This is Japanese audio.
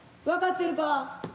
分かってるか？